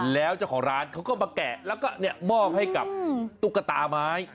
แล้วเจ้าของร้านเขาก็มาแกะแล้วก็มอบให้กับตุ๊กตาไม้